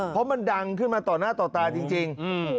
เพราะมันดังขึ้นมาต่อหน้าต่อตาจริง